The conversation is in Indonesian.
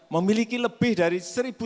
memiliki lebih dari seribu seratus